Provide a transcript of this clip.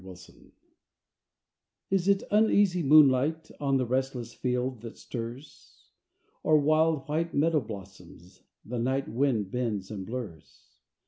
INTIMATIONS I Is it uneasy moonlight, On the restless field, that stirs? Or wild white meadow blossoms The night wind bends and blurs?